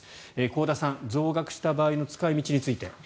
香田さん、増額した場合の使い道について。